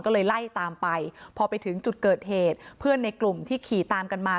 ก็เลยไล่ตามไปพอไปถึงจุดเกิดเหตุเพื่อนในกลุ่มที่ขี่ตามกันมา